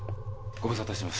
ご無沙汰してます